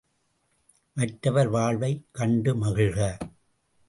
மற்றவர் வாழ்வதைக் கண்டு மகிழ்க!